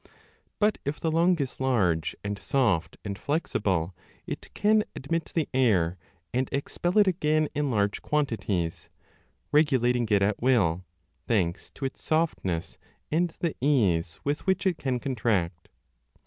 But if the lung is large and soft and flexible, it can admit the air and expel it again in large quantities, regulating it at will, thanks to its softness and the ease with which it can contract.